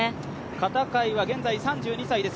片貝は現在３２歳です。